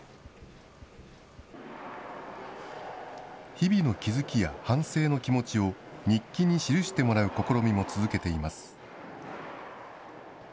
日々の気付きや反省の気持ちを、日記に記してもらう試みも続けています。